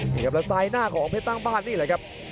แล้วซ้ายหน้าของเพชรสร้างบ้านนี่แหละครับ